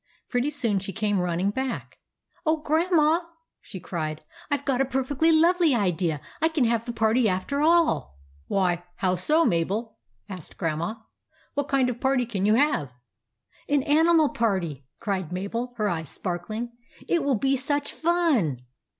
Pretty soon she came running back again. " Oh, Grandma !" she cried. " I 've got a perfectly lovely idea. I can have the party after all." THE ANIMAL PARTY 117 " Why, how so, Mabel ?" asked Grandma. " What kind of a party can you have ?"" An animal party !" cried Mabel, her eyes sparkling. " It will be such fun